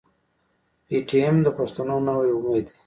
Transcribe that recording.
پي ټي ايم د پښتنو نوی امېد دی.